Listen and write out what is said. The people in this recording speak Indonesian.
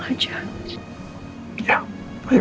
gak ada yang mau berbicara